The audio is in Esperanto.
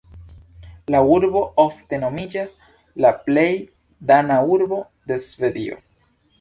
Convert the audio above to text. La urbo ofte nomiĝas "la plej dana urbo de Svedio".